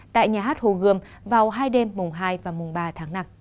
tại nhà hát hồ gươm vào hai đêm mùng hai và mùng ba tháng năm